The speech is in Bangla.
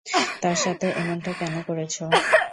তার সাথে এমনটা কেন করেছ?